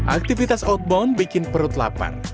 aktivitas outbound bikin perut lapar